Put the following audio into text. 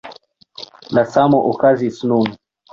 La samo okazis nun.